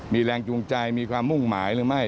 มีแรงจูงใจมีความมุ่งหมายหรือไม่